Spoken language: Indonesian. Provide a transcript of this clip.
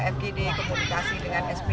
fgd komunikasi dengan spi